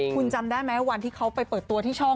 คุณจำได้ไหมวันที่เขาไปเปิดตัวที่ช่อง